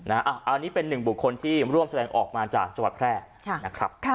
อันนี้เป็นหนึ่งบุคคลที่ร่วมแสดงออกมาจากจังหวัดแพร่นะครับ